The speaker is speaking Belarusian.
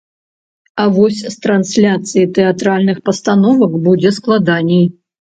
А вось з трансляцыяй тэатральных пастановак будзе складаней.